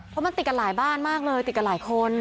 เพราะมันติดกันหลายบ้านมากเลยติดกันหลายคน